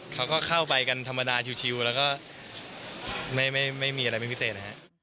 เขาก็เข้าไปกันธรรมดาชิวแล้วก็ไม่มีอะไรเป็นพิเศษนะฮะ